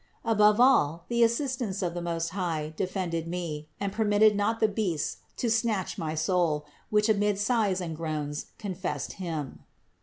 Above all the assistance of the Most High defended me and permitted not the beasts to snatch my soul, which amid sighs and groans confessed Him.